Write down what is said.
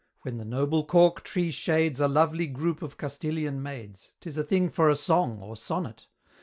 when the noble Cork Tree shades A lovely group of Castilian maids, 'Tis a thing for a song or sonnet!